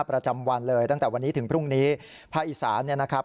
ประจำวันเลยตั้งแต่วันนี้ถึงพรุ่งนี้ภาคอีสานเนี่ยนะครับ